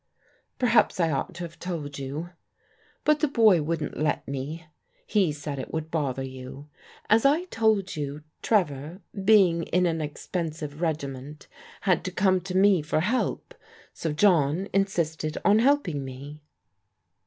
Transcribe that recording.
" Perhaps I ought to have told you. But the boy wouldn't let me. He said it would bother you. As I told you, Trevor, being in an expensive regiment, had to come to me for help, so John insisted on helping me."